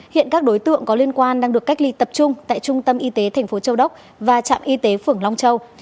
hiện các đối tượng có liên quan đang được cách ly tập trung tại trung tâm y tế thành phố châu đốc và trạm y tế phưởng long châu